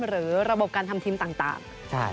หรือระบบการทำทีมต่าง